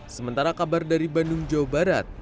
sementara kabar dari bandung jawa barat